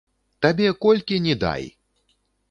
Табе колькі ні дай!